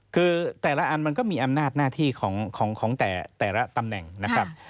คือแต่ละอันมันก็มีอำนาจหน้าที่ของแต่ละตำแหน่งนะครับ